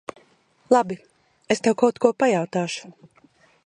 Labi. Es tev kaut ko pajautāšu.